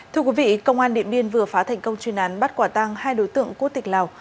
thưa quý vị công an điện biên vừa phá thành công chuyên án bắt quả tăng hai đối tượng quốc tịch lào